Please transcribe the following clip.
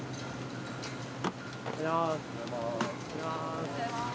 おはようございます。